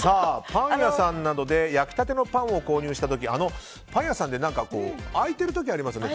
パン屋さんなどで焼きたてのパンを購入した時パン屋さんって開いている時がありますよね